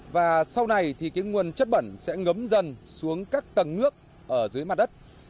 và sau này thì cái nguồn chất bẩn sẽ ngấm dần xuống các tầng nước ở dưới mặt đất